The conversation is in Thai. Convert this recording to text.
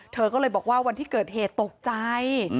เธอก็เลยบอกว่าวันที่เกิดเหตุตกใจ